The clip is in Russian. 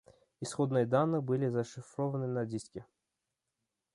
Исходные данные были зашифрованы на диске